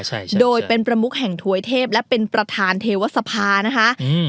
ใช่โดยเป็นประมุกแห่งถวยเทพและเป็นประธานเทวสภานะคะอืม